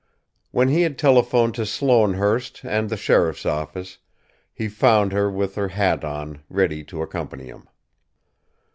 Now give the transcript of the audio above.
When he had telephoned to Sloanehurst and the sheriff's office, he found her with her hat on, ready to accompany him.